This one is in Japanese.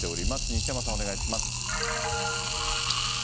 西山さん、お願いします。